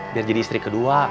biar jadi istri kedua